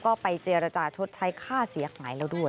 ก็ไปเจรจาชดใช้ค่าเสียหายแล้วด้วย